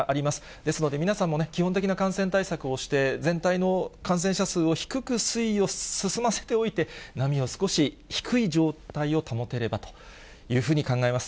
ですので、皆さんも基本的な感染対策をして、全体の感染者数を低く推移を進ませておいて、波を少し低い状態を保てればというふうに考えます。